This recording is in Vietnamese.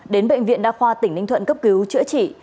đến bệnh viện đa khoa tỉnh ninh thuận cấp cứu chữa trị